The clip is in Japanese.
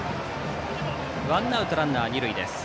ワンアウトランナー、二塁です。